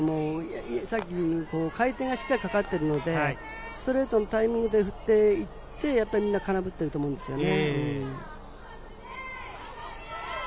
回転がしっかりかかっているので、ストレートのタイミングで振っていってみんな空振っていると思うんですよね。